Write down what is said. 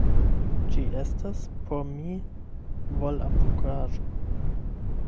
Ĝi estas por mi volapukaĵo.